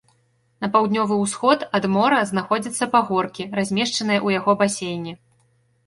На паўднёвы ўсход ад мора знаходзяцца пагоркі, размешчаныя ў яго басейне.